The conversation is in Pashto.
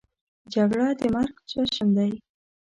جګړه د مرګ جشن دی